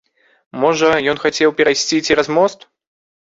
Можа, ён хацеў перайсці цераз мост?